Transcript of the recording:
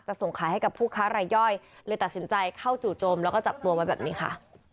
ส่งขายให้กับผู้ค้ารายย่อยเลยตัดสินใจเข้าจู่โจมแล้วก็จับตัวไว้แบบนี้ค่ะ